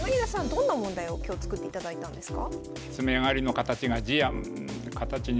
どんな問題を今日作っていただいたんですか？